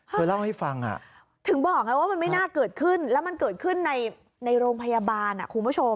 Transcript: เธอเล่าให้ฟังถึงบอกไงว่ามันไม่น่าเกิดขึ้นแล้วมันเกิดขึ้นในโรงพยาบาลคุณผู้ชม